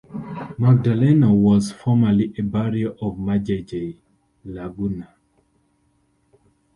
Magdalena was formerly a barrio of Majayjay, Laguna.